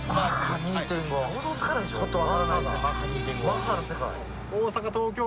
マッハの世界。